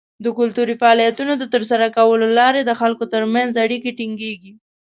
د کلتوري فعالیتونو د ترسره کولو له لارې د خلکو تر منځ اړیکې ټینګیږي.